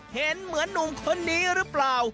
เห็นเหมือนหนุ่มคนนี้หรือเปล่า